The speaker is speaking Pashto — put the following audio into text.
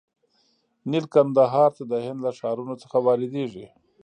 نیل کندهار ته د هند له ښارونو څخه واردیږي.